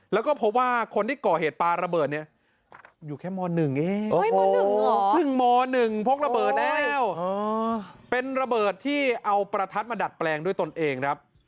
แล้วก็พบว่าคนที่ก่อเหตุปลาระเบิดเนี่ยอยู่แค่ม๑เองเพิ่งม๑พกระเบิดแล้วเป็นระเบิดที่เอาประทัดมาดัดแปลงด้วยตนเองครับ